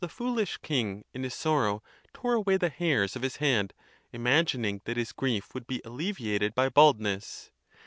foolish king in his sorrow tore away the hairs of his head, imagining that his grief would be alleviated by bald ness.